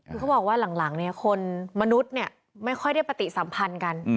คือเขาบอกว่าหลังเนี่ยคนมนุษย์ไม่ค่อยได้ปฏิสัมพันธ์กัน